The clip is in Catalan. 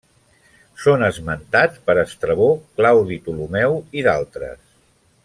Són esmentats per Estrabó, Claudi Ptolemeu i d'altres.